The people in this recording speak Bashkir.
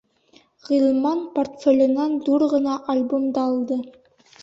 Ғилман портфеленән ҙур ғына альбом да алды.